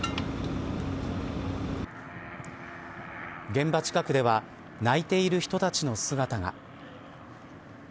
現場近くでは泣いている人たちの姿が。